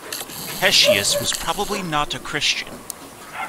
Hesychius was probably not a Christian.